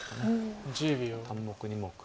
３目２目。